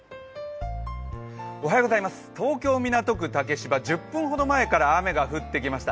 東京・港区竹芝１０分ほど前から雨が降ってきました。